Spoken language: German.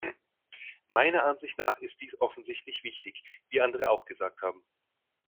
Meiner Ansicht nach ist dies offensichtlich wichtig, wie andere auch gesagt haben.